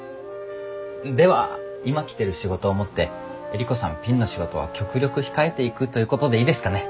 では今来てる仕事をもってエリコさんピンの仕事は極力控えていくということでいいですかね。